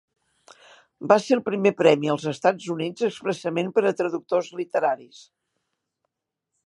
Va ser el primer premi als Estats Units expressament per a traductors literaris.